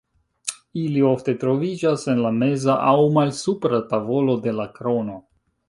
Ili ofte troviĝas en la meza aŭ malsupra tavolo de la krono.